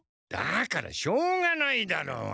だからしょうがないだろ。